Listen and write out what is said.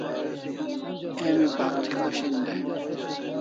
Emi pak'ti khoshen dai